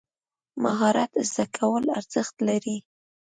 مهارت زده کول ارزښت لري.